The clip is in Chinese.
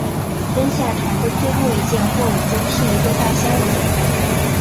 扔下船的最后一件货物中是一个大箱子。